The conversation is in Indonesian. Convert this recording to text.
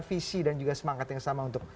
visi dan juga semangat yang sama untuk